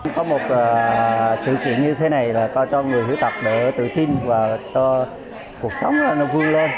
có một sự kiện như thế này là cho người khuyết tật để tự tin và cho cuộc sống vươn lên